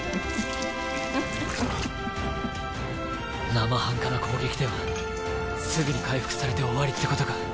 生半可な攻撃ではすぐに回復されて終わりってことか。